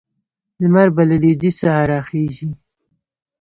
لمر به له لویدیځ څخه راخېژي.